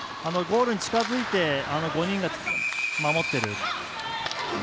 ゴールに近づいて５人が守ってる。